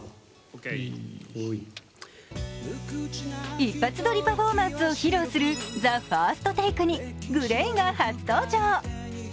一発撮りパフォーマンスを披露するＴＨＥＦＩＲＳＴＴＡＫＥにＧＬＡＹが初登場。